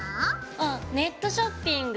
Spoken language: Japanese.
あっネットショピング。